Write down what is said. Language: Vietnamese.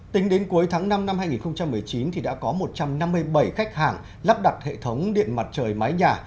tính đến cuối tháng năm năm hai nghìn một mươi chín đã có một trăm năm mươi bảy khách hàng lắp đặt hệ thống điện mặt trời mái nhà